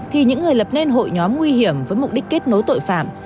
thì những người lập nên hội nhóm nguy hiểm với mục đích kết nối tội phạm